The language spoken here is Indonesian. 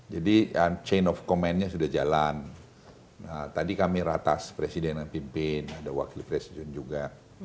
jadi chain of commandnya sudah jalan tadi kami ratas presiden dan pimpin ada wakil presiden juga